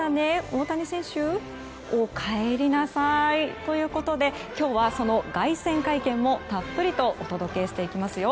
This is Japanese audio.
大谷選手、お帰りなさい！ということで、今日はその凱旋会見もたっぷりとお届けしていきますよ。